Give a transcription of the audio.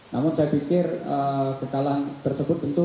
namun saya pikir kekalahan tersebut tentu